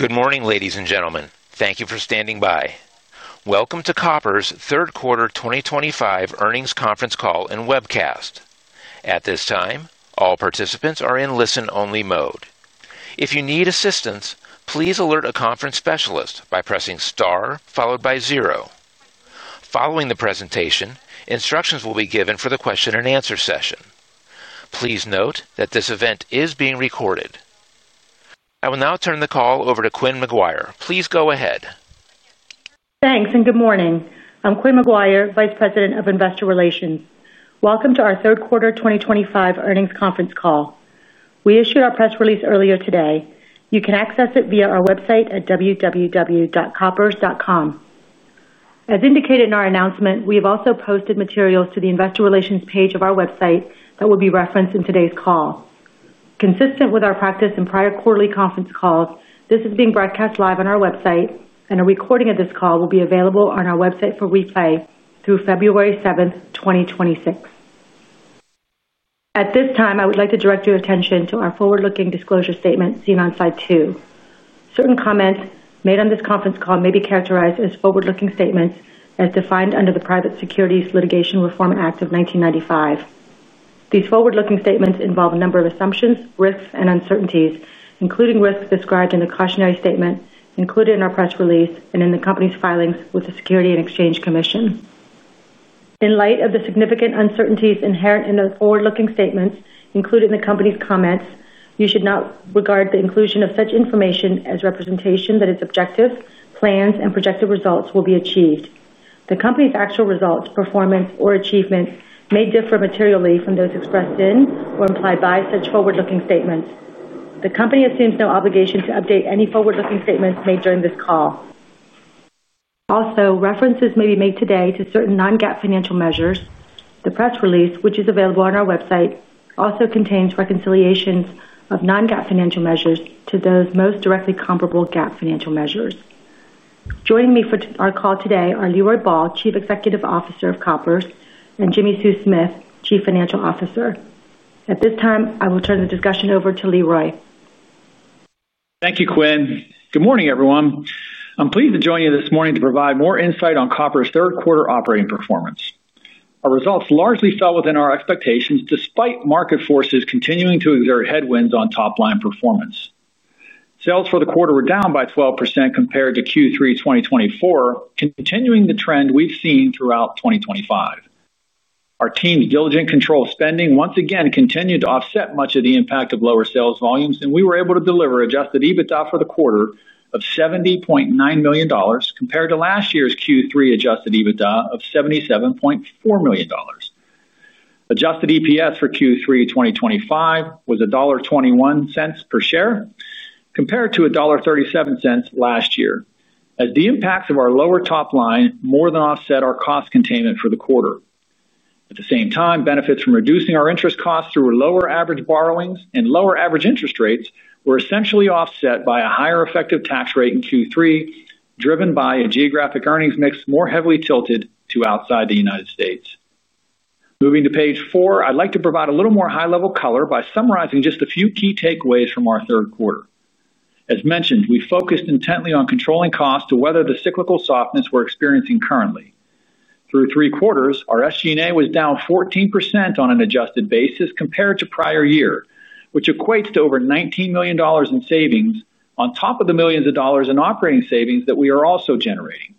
Good morning, ladies and gentlemen. Thank you for standing by. Welcome to Koppers' third quarter 2025 earnings conference call and webcast. At this time, all participants are in listen-only mode. If you need assistance, please alert a conference specialist by pressing star followed by zero. Following the presentation, instructions will be given for the question-and-answer session. Please note that this event is being recorded. I will now turn the call over to Quynh McGuire. Please go ahead. Thanks, and good morning. I'm Quynh McGuire, Vice President of Investor Relations. Welcome to our third quarter 2025 earnings conference call. We issued our press release earlier today. You can access it via our website at www.koppers.com. As indicated in our announcement, we have also posted materials to the Investor Relations page of our website that will be referenced in today's call. Consistent with our practice in prior quarterly conference calls, this is being broadcast live on our website, and a recording of this call will be available on our website for replay through February 7, 2026. At this time, I would like to direct your attention to our forward-looking disclosure statement seen on slide two. Certain comments made on this conference call may be characterized as forward-looking statements as defined under the Private Securities Litigation Reform Act of 1995. These forward-looking statements involve a number of assumptions, risks, and uncertainties, including risks described in the cautionary statement included in our press release and in the company's filings with the Securities and Exchange Commission. In light of the significant uncertainties inherent in those forward-looking statements included in the company's comments, you should not regard the inclusion of such information as representation that its objectives, plans, and projected results will be achieved. The company's actual results, performance, or achievements may differ materially from those expressed in or implied by such forward-looking statements. The company assumes no obligation to update any forward-looking statements made during this call. Also, references may be made today to certain non-GAAP financial measures. The press release, which is available on our website, also contains reconciliations of non-GAAP financial measures to those most directly comparable GAAP financial measures. Joining me for our call today are Leroy Ball, Chief Executive Officer of Koppers, and Jimmi Sue Smith, Chief Financial Officer. At this time, I will turn the discussion over to Leroy. Thank you, Quynh. Good morning, everyone. I'm pleased to join you this morning to provide more insight on Koppers' third quarter operating performance. Our results largely fell within our expectations despite market forces continuing to exert headwinds on top-line performance. Sales for the quarter were down by 12% compared to Q3 2024, continuing the trend we've seen throughout 2025. Our team's diligent control of spending once again continued to offset much of the impact of lower sales volumes, and we were able to deliver adjusted EBITDA for the quarter of $70.9 million compared to last year's Q3 adjusted EBITDA of $77.4 million. Adjusted EPS for Q3 2025 was $1.21 per share compared to $1.37 last year, as the impacts of our lower top line more than offset our cost containment for the quarter. At the same time, benefits from reducing our interest costs through lower average borrowings and lower average interest rates were essentially offset by a higher effective tax rate in Q3, driven by a geographic earnings mix more heavily tilted to outside the United States. Moving to page four, I'd like to provide a little more high-level color by summarizing just a few key takeaways from our third quarter. As mentioned, we focused intently on controlling costs to weather the cyclical softness we're experiencing currently. Through three quarters, our SG&A was down 14% on an adjusted basis compared to prior year, which equates to over $19 million in savings on top of the millions of dollars in operating savings that we are also generating.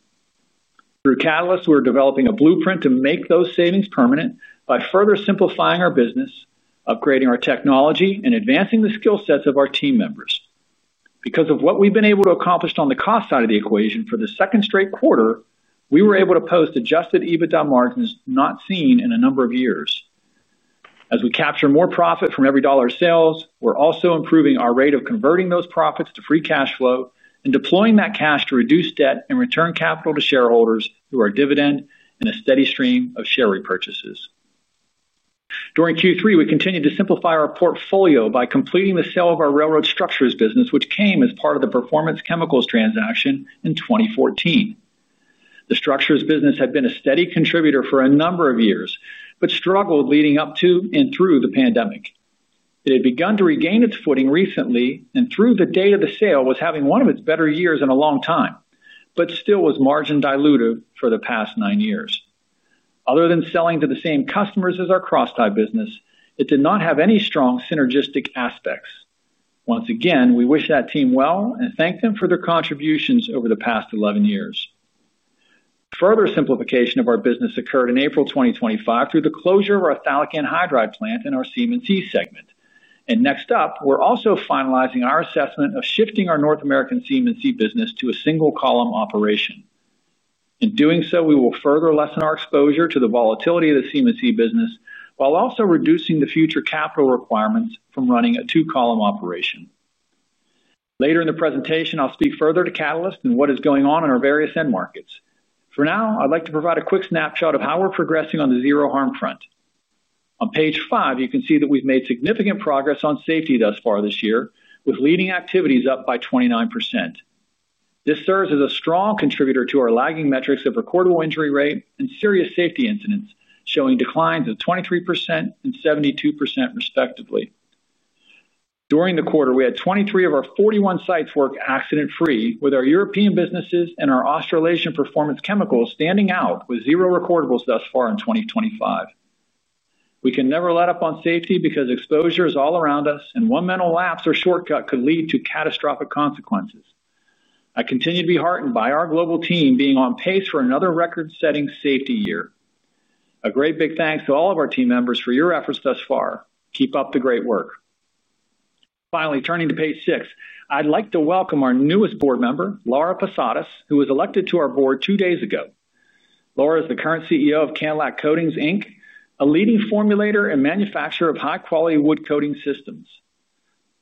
Through Catalyst, we're developing a blueprint to make those savings permanent by further simplifying our business, upgrading our technology, and advancing the skill sets of our team members. Because of what we've been able to accomplish on the cost side of the equation for the second straight quarter, we were able to post adjusted EBITDA margins not seen in a number of years. As we capture more profit from every dollar sales, we're also improving our rate of converting those profits to free cash flow and deploying that cash to reduce debt and return capital to shareholders through our dividend and a steady stream of share repurchases. During Q3, we continued to simplify our portfolio by completing the sale of our railroad structures business, which came as part of the performance chemicals transaction in 2014. The structures business had been a steady contributor for a number of years but struggled leading up to and through the pandemic. It had begun to regain its footing recently and, through the date of the sale, was having one of its better years in a long time but still was margin dilutive for the past nine years. Other than selling to the same customers as our cross-tie business, it did not have any strong synergistic aspects. Once again, we wish that team well and thank them for their contributions over the past 11 years. Further simplification of our business occurred in April 2025 through the closure of our ThioLignin hydride in our CM&C segment. Next up, we're also finalizing our assessment of shifting our North American CM&C business to a single-column operation. In doing so, we will further lessen our exposure to the volatility of the CM&C business while also reducing the future capital requirements from running a two-column operation. Later in the presentation, I'll speak further to Catalyst and what is going on in our various end markets. For now, I'd like to provide a quick snapshot of how we're progressing on the zero-harm front. On page five, you can see that we've made significant progress on safety thus far this year, with leading activities up by 29%. This serves as a strong contributor to our lagging metrics of recordable injury rate and serious safety incidents, showing declines of 23% and 72%, respectively. During the quarter, we had 23 of our 41 sites work accident-free, with our European businesses and our Australasian performance chemicals standing out with zero recordables thus far in 2025. We can never let up on safety because exposure is all around us, and one mental lapse or shortcut could lead to catastrophic consequences. I continue to be heartened by our global team being on pace for another record-setting safety year. A great big thanks to all of our team members for your efforts thus far. Keep up the great work. Finally, turning to page six, I'd like to welcome our newest board member, Laura Posadas, who was elected to our board two days ago. Laura is the current CEO of Cadillac Coatings, a leading formulator and manufacturer of high-quality wood coating systems.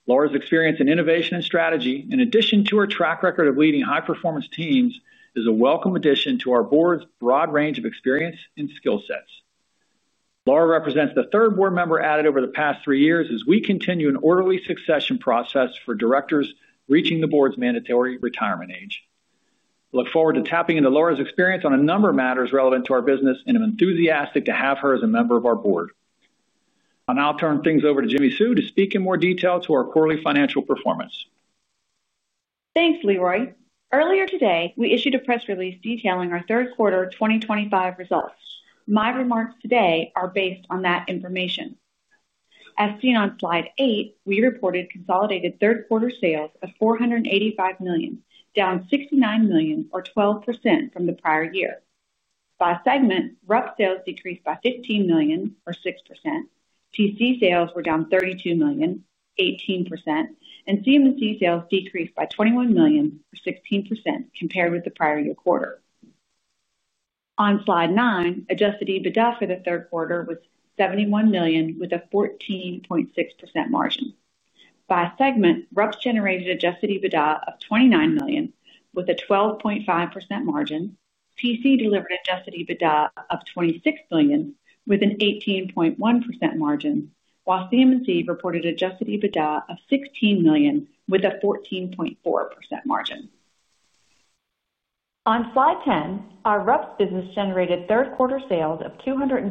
Laura's experience in innovation and strategy, in addition to her track record of leading high-performance teams, is a welcome addition to our board's broad range of experience and skill sets. Laura represents the third board member added over the past three years as we continue an orderly succession process for directors reaching the board's mandatory retirement age. I look forward to tapping into Laura's experience on a number of matters relevant to our business and am enthusiastic to have her as a member of our board. I'll now turn things over to Jimmi Sue to speak in more detail to our quarterly financial performance. Thanks, Leroy. Earlier today, we issued a press release detailing our third quarter 2025 results. My remarks today are based on that information. As seen on slide eight, we reported consolidated third-quarter sales of $485 million, down $69 million, or 12% from the prior year. By segment, RPS sales decreased by $15 million, or 6%. PC sales were down $32 million, 18%, and CM&C sales decreased by $21 million, or 16%, compared with the prior year quarter. On slide nine, adjusted EBITDA for the third quarter was $71 million, with a 14.6% margin. By segment, RPS generated adjusted EBITDA of $29 million, with a 12.5% margin. PC delivered adjusted EBITDA of $26 million, with an 18.1% margin, while CM&C reported adjusted EBITDA of $16 million, with a 14.4% margin. On Slide 10, our RPS business generated third-quarter sales of $233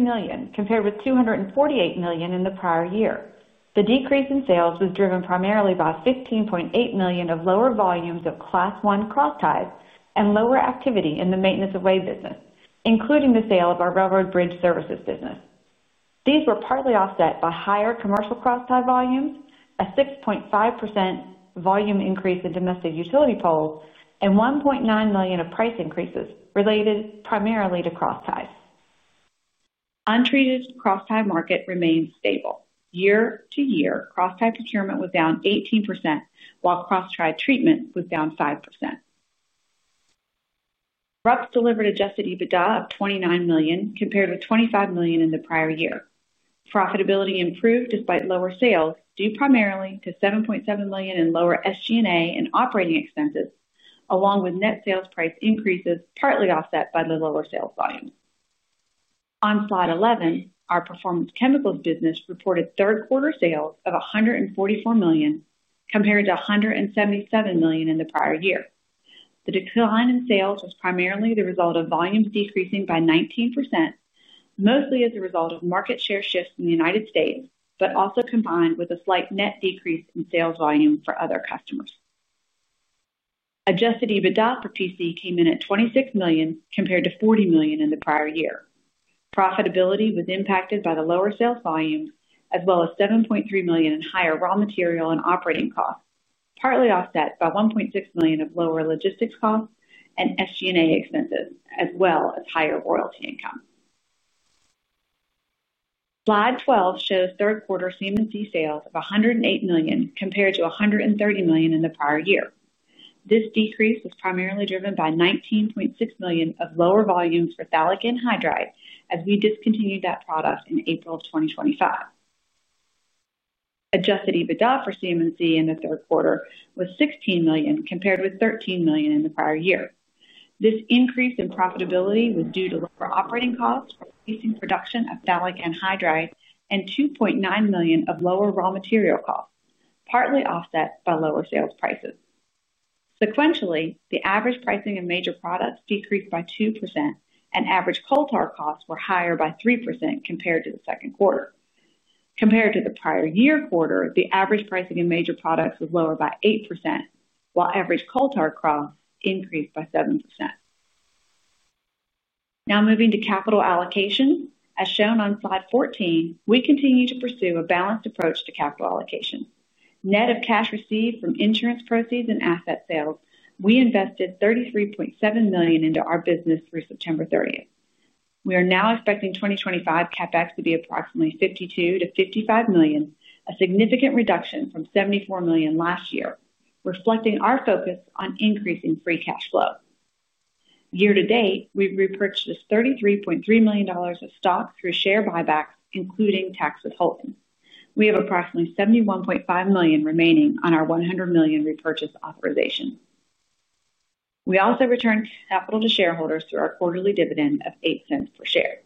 million, compared with $248 million in the prior year. The decrease in sales was driven primarily by $15.8 million of lower volumes of Class I cross-ties and lower activity in the maintenance of way business, including the sale of our railroad bridge services business. These were partly offset by higher commercial cross-ties volumes, a 6.5% volume increase in domestic utility poles, and $1.9 million of price increases related primarily to cross-ties. Untreated cross-ties market remained stable. Year to year, cross-ties procurement was down 18%, while cross-ties treatment was down 5%. RPS delivered adjusted EBITDA of $29 million, compared with $25 million in the prior year. Profitability improved despite lower sales, due primarily to $7.7 million in lower SG&A and operating expenses, along with net sales price increases partly offset by the lower sales volumes. On Slide 11, our Performance Chemicals business reported third-quarter sales of $144 million, compared to $177 million in the prior year. The decline in sales was primarily the result of volumes decreasing by 19%, mostly as a result of market share shifts in the United States, but also combined with a slight net decrease in sales volume for other customers. Adjusted EBITDA for PC came in at $26 million, compared to $40 million in the prior year. Profitability was impacted by the lower sales volumes, as well as $7.3 million in higher raw material and operating costs, partly offset by $1.6 million of lower logistics costs and SG&A expenses, as well as higher royalty income. Slide 12 shows third-quarter CM&C sales of $108 million, compared to $130 million in the prior year. This decrease was primarily driven by $19.6 million of lower volumes for ThioLignin hydride, as we discontinued that product in April of 2025. Adjusted EBITDA for CM&C in the third quarter was $16 million, compared with $13 million in the prior year. This increase in profitability was due to lower operating costs from increasing production of ThioLignin hydride and $2.9 million of lower raw material costs, partly offset by lower sales prices. Sequentially, the average pricing of major products decreased by 2%, and average coal tar costs were higher by 3% compared to the second quarter. Compared to the prior year quarter, the average pricing of major products was lower by 8%, while average coal tar costs increased by 7%. Now moving to capital allocation. As shown on Slide 14, we continue to pursue a balanced approach to capital allocation. Net of cash received from insurance proceeds and asset sales, we invested $33.7 million into our business through September 30. We are now expecting 2025 CapEx to be approximately $52 million-$55 million, a significant reduction from $74 million last year, reflecting our focus on increasing free cash flow. Year-to-date, we've repurchased $33.3 million of stock through share buybacks, including tax withholding. We have approximately $71.5 million remaining on our $100 million repurchase authorization. We also returned capital to shareholders through our quarterly dividend of $0.08 per share.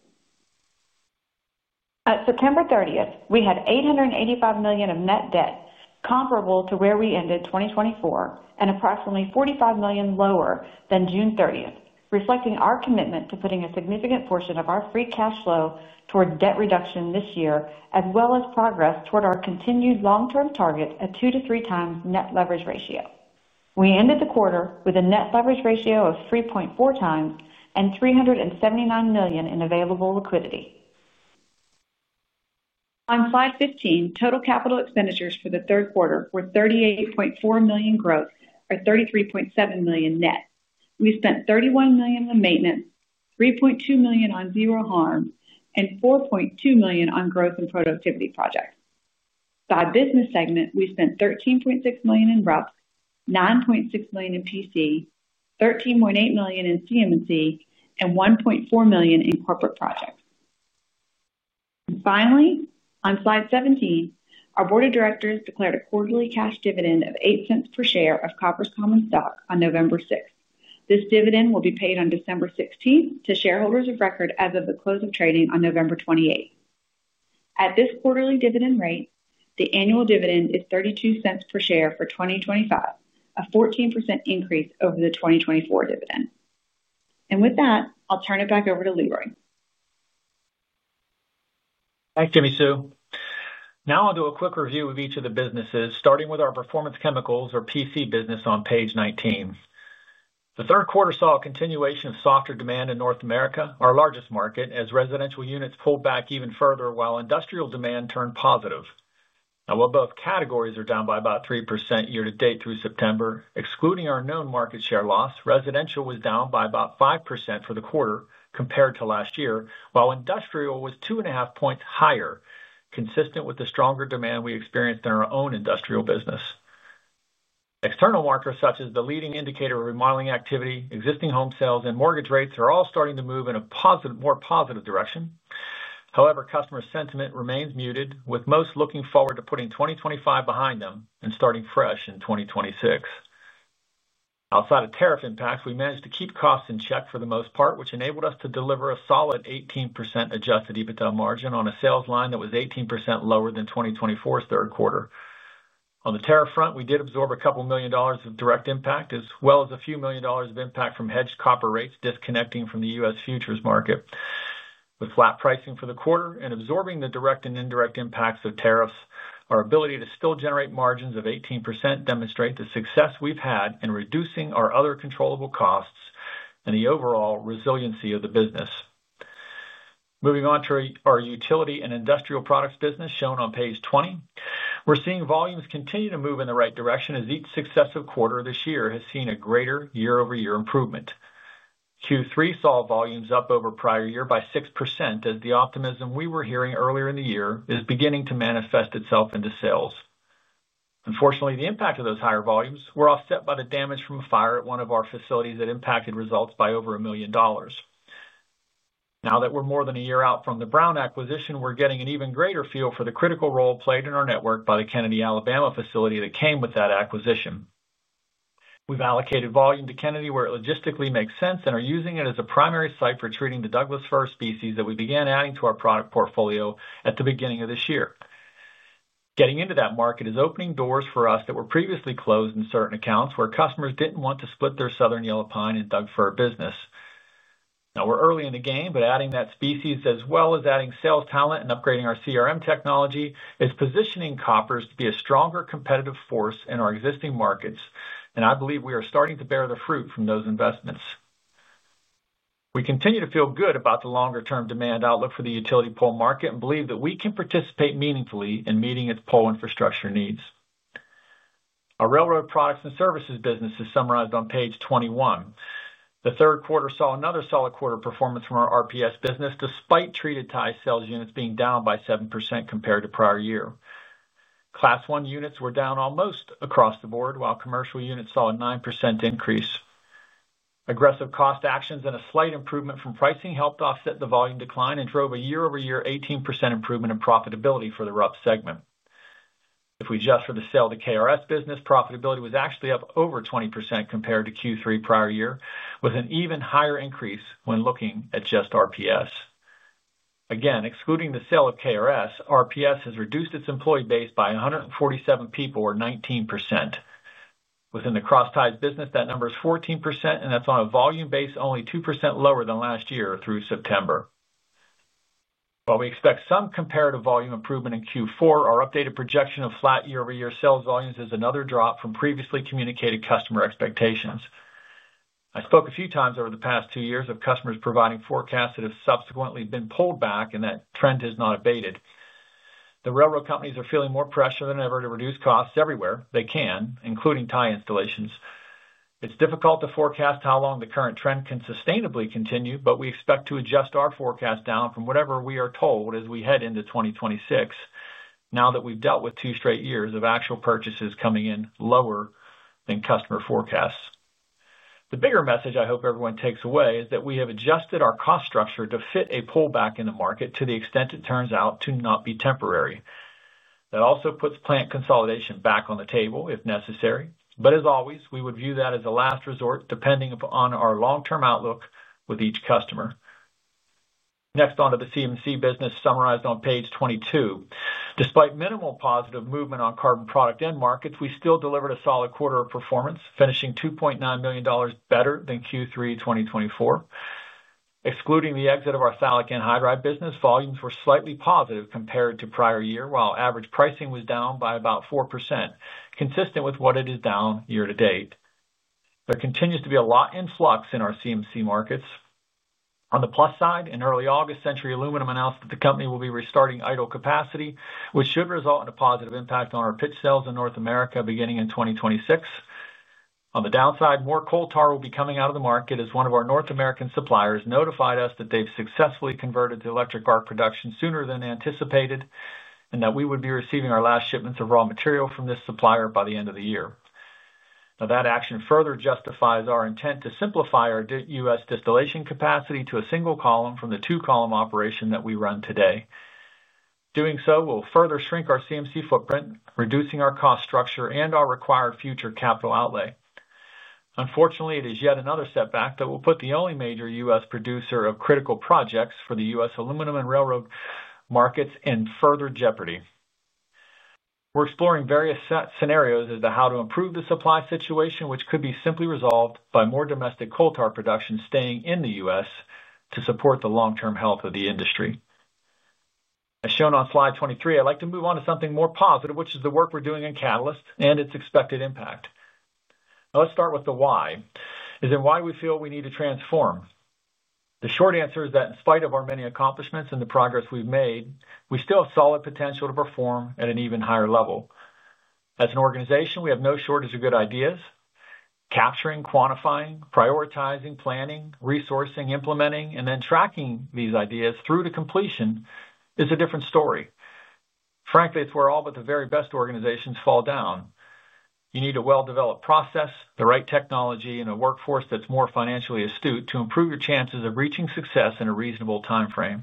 At September 30th, we had $885 million of net debt comparable to where we ended 2024 and approximately $45 million lower than June 30th, reflecting our commitment to putting a significant portion of our free cash flow toward debt reduction this year, as well as progress toward our continued long-term target of 2x-3x times net leverage ratio. We ended the quarter with a net leverage ratio of 3.4x and $379 million in available liquidity. On Slide 15, total capital expenditures for the third quarter were $38.4 million growth or $33.7 million net. We spent $31 million on maintenance, $3.2 million on zero-harm, and $4.2 million on growth and productivity projects. By business segment, we spent $13.6 million in RPS, $9.6 million in PC, $13.8 million in CM&C, and $1.4 million in corporate projects. Finally, on Slide 17, our board of directors declared a quarterly cash dividend of $0.08 per share of Koppers Common Stock on November 6th. This dividend will be paid on December 16th to shareholders of record as of the close of trading on November 28th. At this quarterly dividend rate, the annual dividend is $0.32 per share for 2025, a 14% increase over the 2024 dividend. With that, I'll turn it back over to Leroy. Thanks, Jimmi Sue. Now I'll do a quick review of each of the businesses, starting with our Performance Chemicals, or PC, business on page 19. The third quarter saw a continuation of softer demand in North America, our largest market, as residential units pulled back even further while industrial demand turned positive. Now, while both categories are down by about 3% year-to-date through September, excluding our known market share loss, residential was down by about 5% for the quarter compared to last year, while industrial was 2.5 percentage points higher, consistent with the stronger demand we experienced in our own industrial business. External markers, such as the leading indicator of remodeling activity, existing home sales, and mortgage rates, are all starting to move in a more positive direction. However, customer sentiment remains muted, with most looking forward to putting 2025 behind them and starting fresh in 2026. Outside of tariff impacts, we managed to keep costs in check for the most part, which enabled us to deliver a solid 18% adjusted EBITDA margin on a sales line that was 18% lower than 2024's third quarter. On the tariff front, we did absorb a couple million dollars of direct impact, as well as a few million dollars of impact from hedged copper rates disconnecting from the U.S. futures market. With flat pricing for the quarter and absorbing the direct and indirect impacts of tariffs, our ability to still generate margins of 18% demonstrates the success we've had in reducing our other controllable costs and the overall resiliency of the business. Moving on to our utility and industrial products business, shown on page 20, we're seeing volumes continue to move in the right direction as each successive quarter this year has seen a greater year-over-year improvement. Q3 saw volumes up over prior year by 6%, as the optimism we were hearing earlier in the year is beginning to manifest itself into sales. Unfortunately, the impact of those higher volumes was offset by the damage from a fire at one of our facilities that impacted results by over $1 million. Now that we're more than a year out from the Brown acquisition, we're getting an even greater feel for the critical role played in our network by the Kennedy, Alabama, facility that came with that acquisition. We've allocated volume to Kennedy where it logistically makes sense and are using it as a primary site for treating the Douglas fir species that we began adding to our product portfolio at the beginning of this year. Getting into that market is opening doors for us that were previously closed in certain accounts where customers did not want to split their Southern Yellow Pine and Douglas fir business. Now we are early in the game, but adding that species, as well as adding sales talent and upgrading our CRM technology, is positioning Koppers to be a stronger competitive force in our existing markets, and I believe we are starting to bear the fruit from those investments. We continue to feel good about the longer-term demand outlook for the utility pole market and believe that we can participate meaningfully in meeting its pole infrastructure needs. Our railroad products and services business is summarized on page 21. The third quarter saw another solid quarter performance from our RPS business, despite treated ties sales units being down by 7% compared to prior year. Class I units were down almost across the board, while commercial units saw a 9% increase. Aggressive cost actions and a slight improvement from pricing helped offset the volume decline and drove a year-over-year 18% improvement in profitability for the RPS segment. If we adjust for the sale of the KRS business, profitability was actually up over 20% compared to Q3 prior year, with an even higher increase when looking at just RPS. Again, excluding the sale of KRS, RPS has reduced its employee base by 147 people or 19%. Within the cross-ties business, that number is 14%, and that's on a volume base only 2% lower than last year through September. While we expect some comparative volume improvement in Q4, our updated projection of flat year-over-year sales volumes is another drop from previously communicated customer expectations. I spoke a few times over the past two years of customers providing forecasts that have subsequently been pulled back, and that trend has not abated. The railroad companies are feeling more pressure than ever to reduce costs everywhere they can, including tie installations. It's difficult to forecast how long the current trend can sustainably continue, but we expect to adjust our forecast down from whatever we are told as we head into 2026, now that we've dealt with two straight years of actual purchases coming in lower than customer forecasts. The bigger message I hope everyone takes away is that we have adjusted our cost structure to fit a pullback in the market to the extent it turns out to not be temporary. That also puts plant consolidation back on the table if necessary, but as always, we would view that as a last resort, depending upon our long-term outlook with each customer. Next, on to the CM&C business, summarized on page 22. Despite minimal positive movement on carbon product end markets, we still delivered a solid quarter of performance, finishing $2.9 million better than Q3 2024. Excluding the exit of our ThioLignin hydride business, volumes were slightly positive compared to prior year, while average pricing was down by about 4%, consistent with what it is down year to date. There continues to be a lot in flux in our CM&C markets. On the plus side, in early August, Century Aluminum announced that the company will be restarting idle capacity, which should result in a positive impact on our pitch sales in North America beginning in 2026. On the downside, more coal tar will be coming out of the market as one of our North American suppliers notified us that they've successfully converted to electric arc production sooner than anticipated and that we would be receiving our last shipments of raw material from this supplier by the end of the year. That action further justifies our intent to simplify our U.S. distillation capacity to a single column from the two-column operation that we run today. Doing so will further shrink our CM&C footprint, reducing our cost structure and our required future capital outlay. Unfortunately, it is yet another setback that will put the only major U.S. producer of critical projects for the U.S. aluminum and railroad markets in further jeopardy. We're exploring various scenarios as to how to improve the supply situation, which could be simply resolved by more domestic coal tar production staying in the U.S. to support the long-term health of the industry. As shown on slide 23, I'd like to move on to something more positive, which is the work we're doing in Catalyst and its expected impact. Now let's start with the why, as in why we feel we need to transform. The short answer is that in spite of our many accomplishments and the progress we've made, we still have solid potential to perform at an even higher level. As an organization, we have no shortage of good ideas. Capturing, quantifying, prioritizing, planning, resourcing, implementing, and then tracking these ideas through to completion is a different story. Frankly, it's where all but the very best organizations fall down. You need a well-developed process, the right technology, and a workforce that's more financially astute to improve your chances of reaching success in a reasonable timeframe.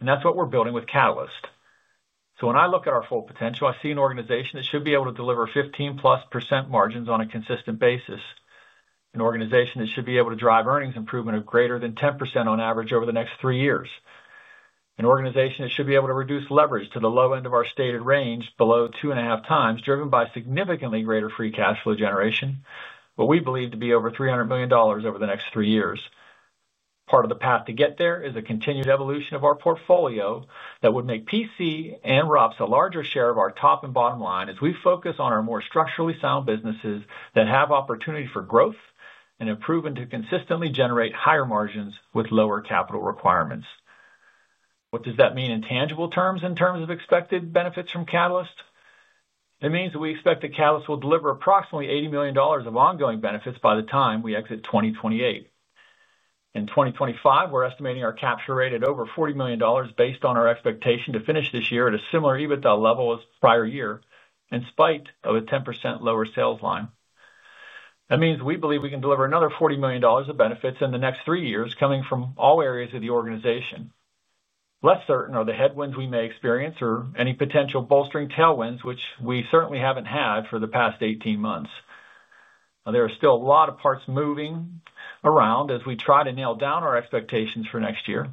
That is what we're building with Catalyst. When I look at our full potential, I see an organization that should be able to deliver 15%+ margins on a consistent basis, an organization that should be able to drive earnings improvement of greater than 10% on average over the next three years, an organization that should be able to reduce leverage to the low end of our stated range below 2.5x, driven by significantly greater free cash flow generation, what we believe to be over $300 million over the next three years. Part of the path to get there is a continued evolution of our portfolio that would make PC and ROPS a larger share of our top and bottom line as we focus on our more structurally sound businesses that have opportunity for growth and have proven to consistently generate higher margins with lower capital requirements. What does that mean in tangible terms in terms of expected benefits from Catalyst? It means that we expect that Catalyst will deliver approximately $80 million of ongoing benefits by the time we exit 2028. In 2025, we're estimating our capture rate at over $40 million based on our expectation to finish this year at a similar EBITDA level as prior year, in spite of a 10% lower sales line. That means we believe we can deliver another $40 million of benefits in the next three years, coming from all areas of the organization. Less certain are the headwinds we may experience or any potential bolstering tailwinds, which we certainly haven't had for the past 18 months. There are still a lot of parts moving around as we try to nail down our expectations for next year.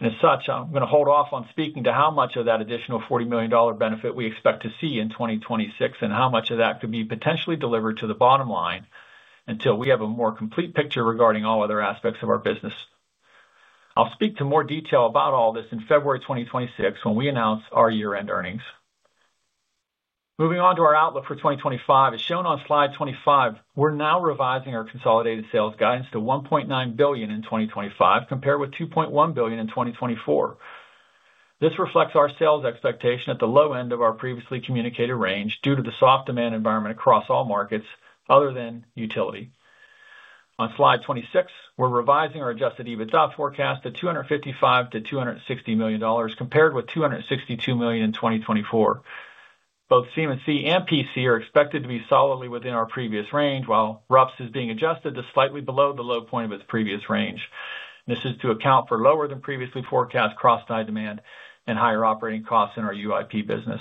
As such, I'm going to hold off on speaking to how much of that additional $40 million benefit we expect to see in 2026 and how much of that could be potentially delivered to the bottom line until we have a more complete picture regarding all other aspects of our business. I'll speak to more detail about all this in February 2026 when we announce our year-end earnings. Moving on to our outlook for 2025, as shown on Slide 25, we're now revising our consolidated sales guidance to $1.9 billion in 2025, compared with $2.1 billion in 2024. This reflects our sales expectation at the low end of our previously communicated range due to the soft demand environment across all markets other than utility. On Slide 26, we're revising our adjusted EBITDA forecast to $255 million-$260 million, compared with $262 million in 2024. Both CM&C and PC are expected to be solidly within our previous range, while RPS is being adjusted to slightly below the low point of its previous range. This is to account for lower-than-previously forecast cross-tie demand and higher operating costs in our UIP business.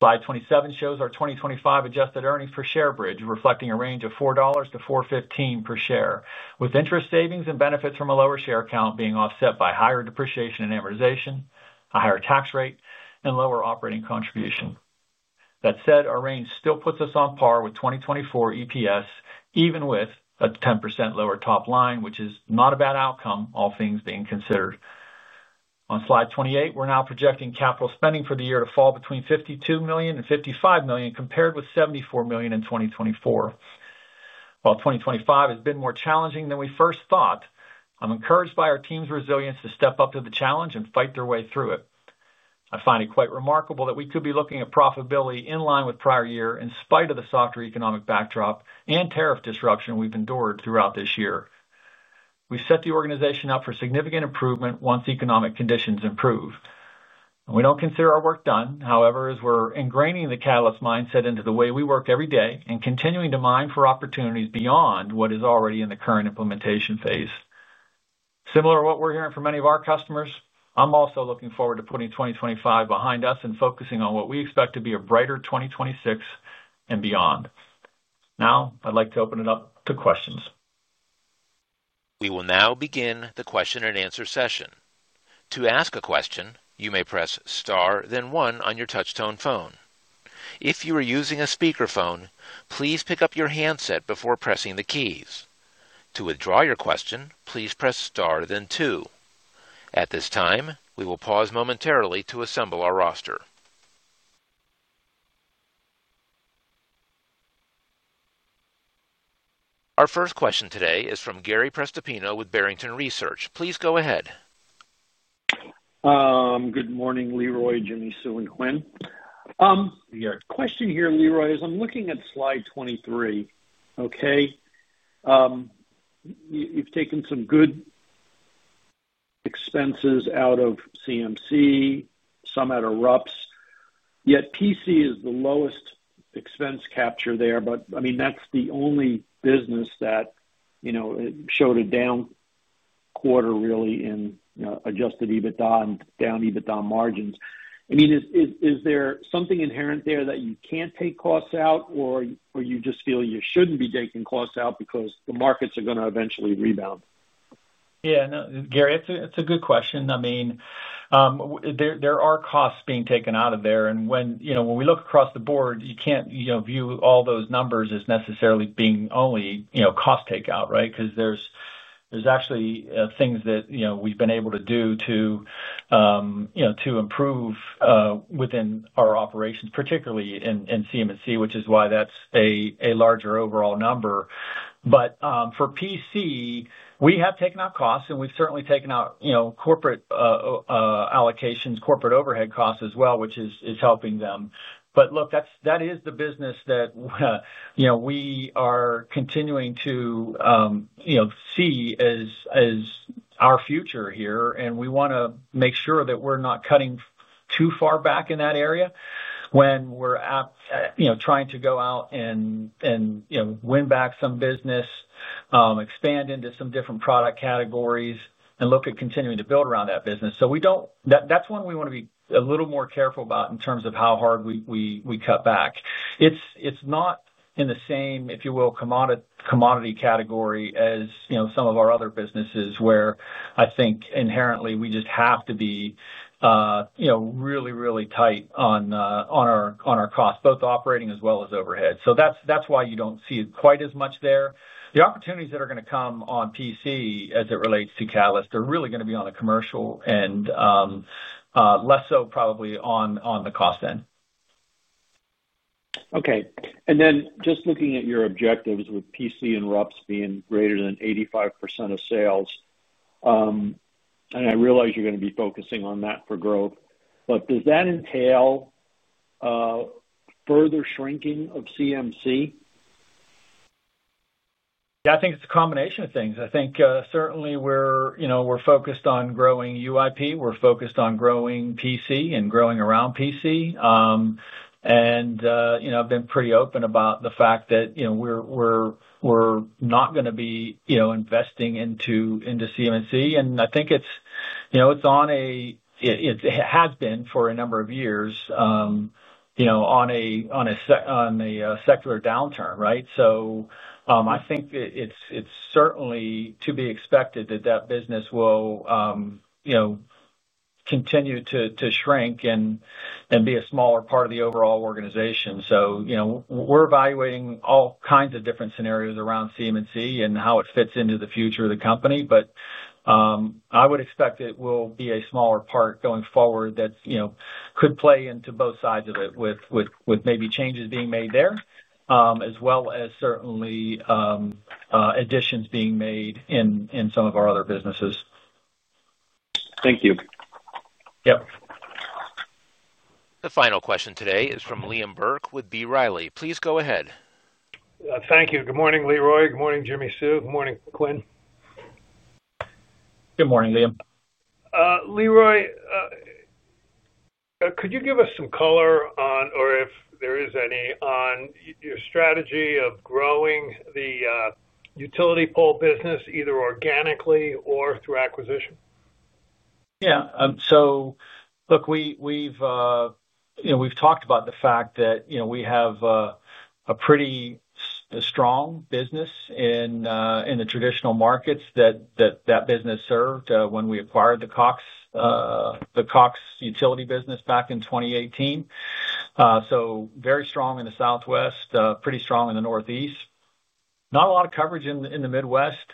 Slide 27 shows our 2025 adjusted earnings per share bridge, reflecting a range of $4-$4.15 per share, with interest savings and benefits from a lower share count being offset by higher depreciation and amortization, a higher tax rate, and lower operating contribution. That said, our range still puts us on par with 2024 EPS, even with a 10% lower top line, which is not a bad outcome, all things being considered. On Slide 28, we're now projecting capital spending for the year to fall between $52 million and $55 million, compared with $74 million in 2024. While 2025 has been more challenging than we first thought, I'm encouraged by our team's resilience to step up to the challenge and fight their way through it. I find it quite remarkable that we could be looking at profitability in line with prior year in spite of the softer economic backdrop and tariff disruption we've endured throughout this year. We set the organization up for significant improvement once economic conditions improve. We don't consider our work done, however, as we're ingraining the Catalyst mindset into the way we work every day and continuing to mine for opportunities beyond what is already in the current implementation phase. Similar to what we're hearing from many of our customers, I'm also looking forward to putting 2025 behind us and focusing on what we expect to be a brighter 2026 and beyond. Now, I'd like to open it up to questions. We will now begin the question-and-answer session. To ask a question, you may press star, then one on your touchtone phone. If you are using a speakerphone, please pick up your handset before pressing the keys. To withdraw your question, please press star, then two. At this time, we will pause momentarily to assemble our roster. Our first question today is from Gary Prestopino with Barrington Research. Please go ahead. Good morning, Leroy, Jimmi Sue, and Quynh. Your question here, Leroy, is I'm looking at Slide 23, okay? You've taken some good expenses out of CM&C, some out of RPS, yet PC is the lowest expense capture there. I mean, that's the only business that showed a down quarter, really, in adjusted EBITDA and down EBITDA margins. I mean, is there something inherent there that you can't take costs out, or you just feel you shouldn't be taking costs out because the markets are going to eventually rebound? Yeah, no, Gary, it's a good question. I mean, there are costs being taken out of there. And when we look across the board, you can't view all those numbers as necessarily being only cost takeout, right? Because there's actually things that we've been able to do to improve within our operations, particularly in CM&C, which is why that's a larger overall number. For PC, we have taken out costs, and we've certainly taken out corporate allocations, corporate overhead costs as well, which is helping them. Look, that is the business that we are continuing to see as our future here, and we want to make sure that we're not cutting too far back in that area when we're trying to go out and win back some business, expand into some different product categories, and look at continuing to build around that business. That's one we want to be a little more careful about in terms of how hard we cut back. It's not in the same, if you will, commodity category as some of our other businesses where I think inherently we just have to be really, really tight on our costs, both operating as well as overhead. That's why you don't see it quite as much there. The opportunities that are going to come on PC as it relates to Catalyst are really going to be on the commercial end, less so probably on the cost end. Okay. Just looking at your objectives with PC and RPS being greater than 85% of sales, and I realize you're going to be focusing on that for growth, but does that entail further shrinking of CM&C? Yeah, I think it's a combination of things. I think certainly we're focused on growing UIP. We're focused on growing PC and growing around PC. I've been pretty open about the fact that we're not going to be investing into CM&C. I think it's on a—it has been for a number of years on a secular downturn, right? I think it's certainly to be expected that that business will continue to shrink and be a smaller part of the overall organization. We're evaluating all kinds of different scenarios around CM&C and how it fits into the future of the company. I would expect it will be a smaller part going forward that could play into both sides of it with maybe changes being made there, as well as certainly additions being made in some of our other businesses. Thank you. Yep. The final question today is from Liam Burke with B. Riley. Please go ahead. Thank you. Good morning, Leroy. Good morning, Jimmi Sue. Good morning, Quynh. Good morning, Liam. Leroy, could you give us some color on, or if there is any, on your strategy of growing the utility pole business either organically or through acquisition? Yeah. Look, we've talked about the fact that we have a pretty strong business in the traditional markets that that business served when we acquired the Cox Utility business back in 2018. Very strong in the Southwest, pretty strong in the Northeast. Not a lot of coverage in the Midwest.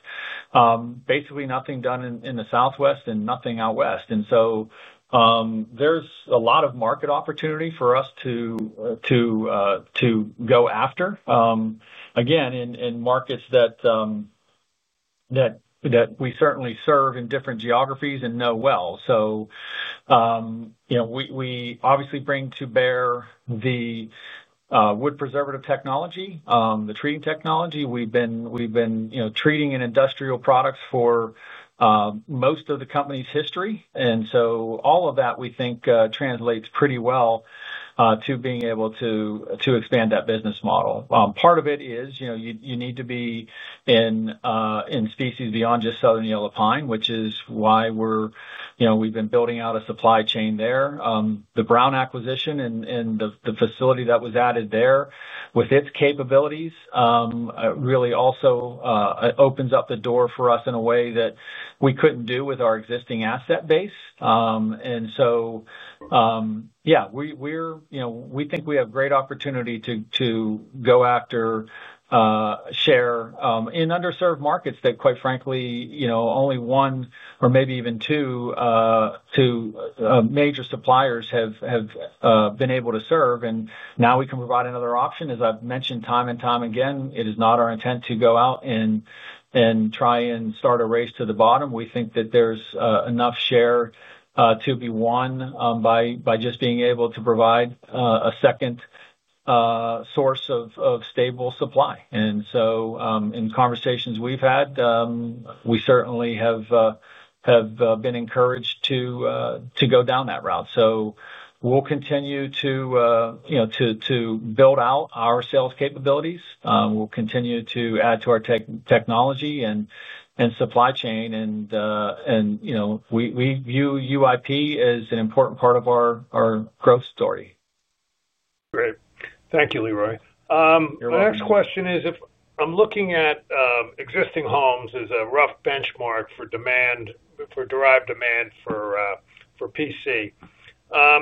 Basically nothing done in the Southwest and nothing out West. There is a lot of market opportunity for us to go after, again, in markets that we certainly serve in different geographies and know well. We obviously bring to bear the wood preservative technology, the treating technology. We've been treating industrial products for most of the company's history. All of that, we think, translates pretty well to being able to expand that business model. Part of it is you need to be in species beyond just Southern Yellow Pine, which is why we have been building out a supply chain there. The Brown acquisition and the facility that was added there with its capabilities really also opens up the door for us in a way that we could not do with our existing asset base. Yeah, we think we have great opportunity to go after share in underserved markets that, quite frankly, only one or maybe even two major suppliers have been able to serve. Now we can provide another option. As I have mentioned time and time again, it is not our intent to go out and try and start a race to the bottom. We think that there's enough share to be won by just being able to provide a second source of stable supply. In conversations we've had, we certainly have been encouraged to go down that route. We'll continue to build out our sales capabilities. We'll continue to add to our technology and supply chain. We view UIP as an important part of our growth story. Great. Thank you, Leroy. My next question is, if I'm looking at existing homes as a rough benchmark for derived demand for PC,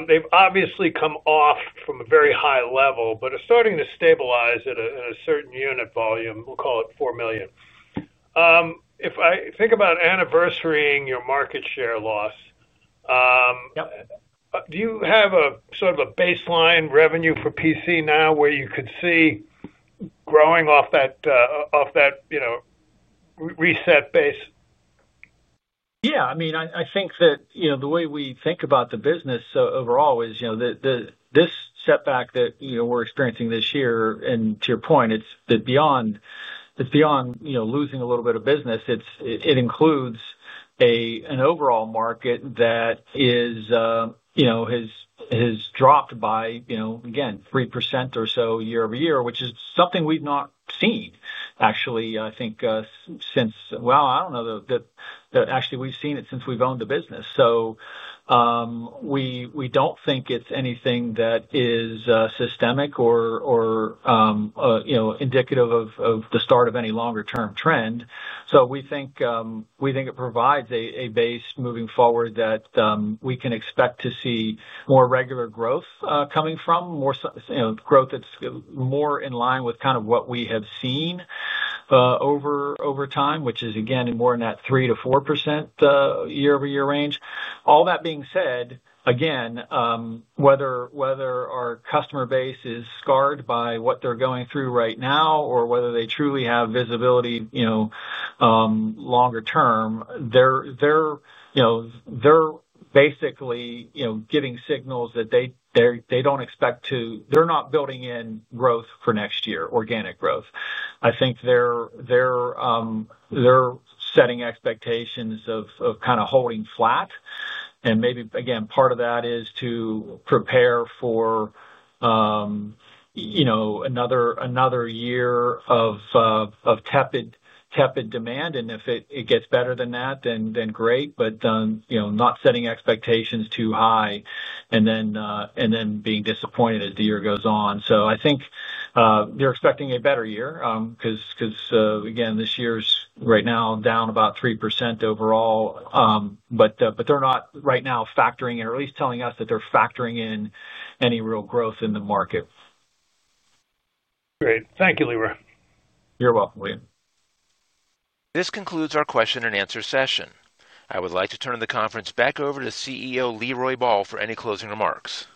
they've obviously come off from a very high level, but are starting to stabilize at a certain unit volume. We'll call it 4 million. If I think about anniversarying your market share loss, do you have sort of a baseline revenue for PC now where you could see growing off that reset base? Yeah. I mean, I think that the way we think about the business overall is this setback that we're experiencing this year. To your point, it's beyond losing a little bit of business. It includes an overall market that has dropped by, again, 3% or so year over year, which is something we've not seen, actually, I think, since—I don't know that actually we've seen it since we've owned the business. We don't think it's anything that is systemic or indicative of the start of any longer-term trend. We think it provides a base moving forward that we can expect to see more regular growth coming from, growth that's more in line with kind of what we have seen over time, which is, again, more in that 3%-4% year-over-year range. All that being said, again, whether our customer base is scarred by what they're going through right now or whether they truly have visibility longer term, they're basically giving signals that they don't expect to—they're not building in growth for next year, organic growth. I think they're setting expectations of kind of holding flat. Maybe, again, part of that is to prepare for another year of tepid demand. If it gets better than that, then great, but not setting expectations too high and then being disappointed as the year goes on. I think they're expecting a better year because, again, this year's right now down about 3% overall. They're not right now factoring in, or at least telling us that they're factoring in any real growth in the market. Great. Thank you, Leroy. You're welcome, Liam. This concludes our question-and-answer session. I would like to turn the conference back over to CEO Leroy Ball for any closing remarks.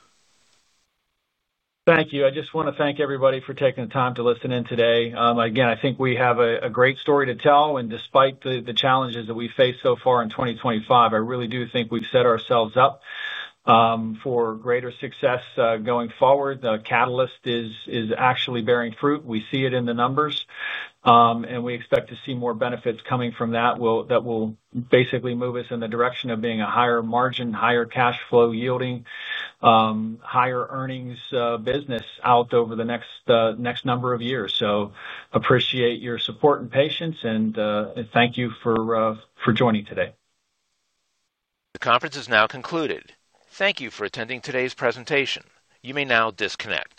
Thank you. I just want to thank everybody for taking the time to listen in today. Again, I think we have a great story to tell. And despite the challenges that we've faced so far in 2025, I really do think we've set ourselves up for greater success going forward. Catalyst is actually bearing fruit. We see it in the numbers. And we expect to see more benefits coming from that that will basically move us in the direction of being a higher margin, higher cash flow yielding, higher earnings business out over the next number of years. So appreciate your support and patience. And thank you for joining today. The conference is now concluded. Thank you for attending today's presentation. You may now disconnect.